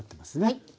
はい。